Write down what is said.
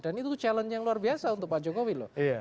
dan itu challenge yang luar biasa untuk pak jokowi loh